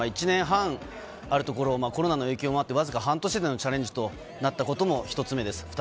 １年半あるところをコロナの影響でわずか半年でのチャレンジとなったことも１つ目です。